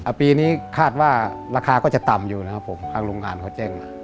ปีนี้คาดว่าราคาก็จะต่ำอยู่นะครับผมทางโรงงานเขาแจ้งมา